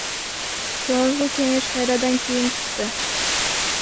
Жогорку Кеңеш кайрадан кийинип чыкты